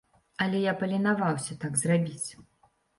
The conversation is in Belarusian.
Але я паленаваўся так зрабіць.